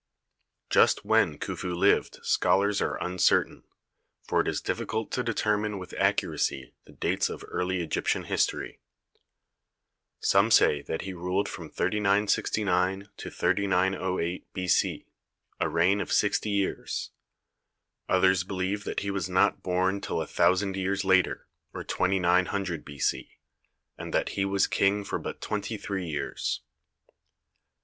Just when Khufu lived scholars are uncertain, for it is difficult to determine with accuracy the dates of early Egyptian history. Some say that he ruled from 3969 to 3908 B.C., a reign of sixty years ; others believe that he was not born till a thousand years later, or 2900 B.C., and that he was King for but twenty three years.